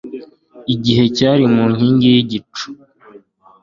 igihe yari mu nkingi y'igicu;